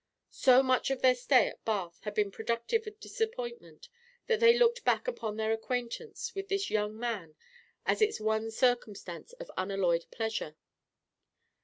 So much of their stay at Bath had been productive of disappointment, that they looked back upon their acquaintance with this young man as its one circumstance of unalloyed pleasure.